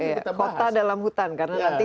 kita bahas kota dalam hutan karena nanti